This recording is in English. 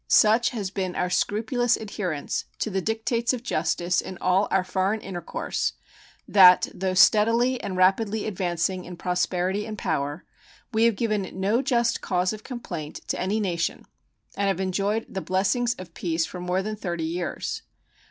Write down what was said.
Such has been our scrupulous adherence to the dictates of justice in all our foreign intercourse that, though steadily and rapidly advancing in prosperity and power, we have given no just cause of complaint to any nation and have enjoyed the blessings of peace for more than thirty years.